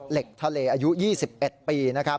เหล็กทาเลอายุ๒๑ปี